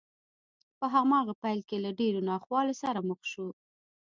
په هماغه پيل کې له ډېرو ناخوالو سره مخ شو.